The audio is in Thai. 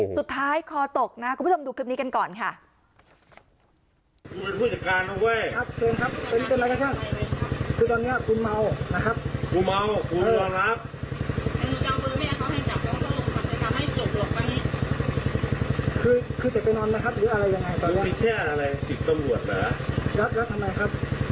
สุดท้ายคอตกนะครับคุณผู้ชมดูคลิปนี้กันก่อนค่ะ